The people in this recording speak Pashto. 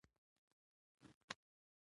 اپلاتون د خپل وخت ستر فيلسوف وو.